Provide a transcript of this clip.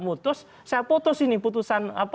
mutus saya putus ini putusan